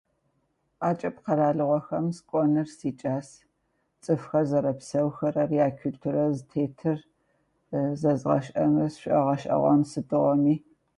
ӏакӏыб къэралыгъохэм сыкӏоныр сикӏас, цӏыфхэр зэрэпсэухэрэри, якультурэ зытетыр зэзгъэшӏэнэу сшӏогъэшӏэгъон сыдыгъоми.